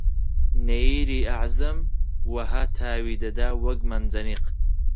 نەییری ئەعزەم وەها تاوی دەدا وەک مەنجەنیق